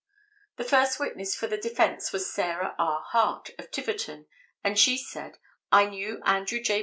The first witness for the defense was Sarah R. Hart, of Tiverton, and she said: "I knew Andrew J.